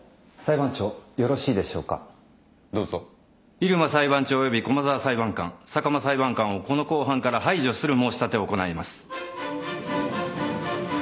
入間裁判長および駒沢裁判官坂間裁判官をこの公判から排除する申し立てを行います。